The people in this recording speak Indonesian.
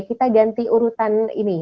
kita ganti urutan ini